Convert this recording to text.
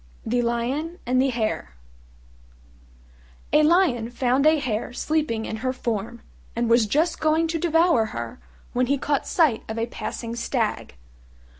THE LION AND THE HARE A Lion found a Hare sleeping in her form, and was just going to devour her when he caught sight of a passing stag.